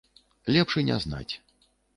Лепш і не знаць.